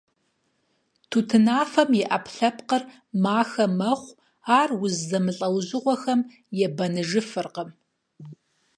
Тутынафэм и Ӏэпкълъэпкъыр махэ мэхъу, ар уз зэмылӀэужьыгъуэхэм ебэныжыфыркъым.